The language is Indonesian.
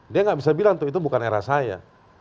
dia nggak bisa bilang tuh itu bukan era saya